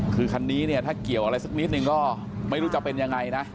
คือคันนี้เนี่ยถ้าเกี่ยวอะไรสักนิดนึงก็ไม่รู้จะเป็นยังไงนะ